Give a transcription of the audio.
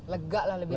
lega lah lebih lega ya